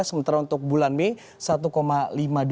sementara untuk bulan mei